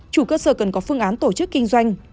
chủ cơ sở cần có phương án tổ chức kinh doanh